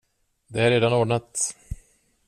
Det är redan ordnat.